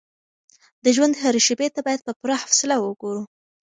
د ژوند هرې شېبې ته باید په پوره حوصله وګورو.